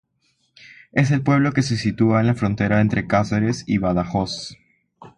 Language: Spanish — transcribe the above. Es el pueblo que se sitúa en la frontera entre Cáceres y Badajoz.